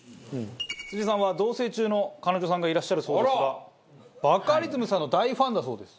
辻さんは同棲中の彼女さんがいらっしゃるそうですがバカリズムさんの大ファンだそうです。